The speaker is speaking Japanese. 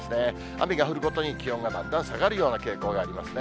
雨が降るごとに気温がだんだん下がるような傾向がありますね。